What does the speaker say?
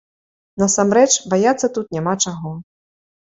Насамрэч, баяцца тут няма чаго.